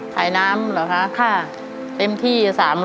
ขายน้ำเหรอคะค่ะเต็มที่๓๐๐